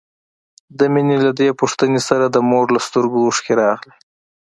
د مينې له دې پوښتنې سره د مور له سترګو اوښکې راغلې.